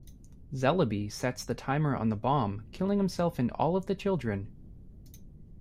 Zellaby sets the timer on the bomb, killing himself and all of the Children.